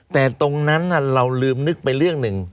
แต่ตรงนั้นเราลืมนึกไปเรื่องหนึ่ง